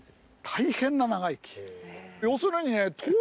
大変な長生き。